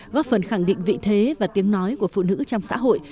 góp phần khẳng định vị thế và tiếng nói của phụ nữ trong xã hội